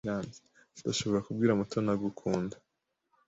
Ndashobora kubwira Mutoni agukunda.